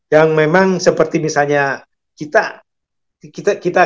yang memang seperti misalnya kita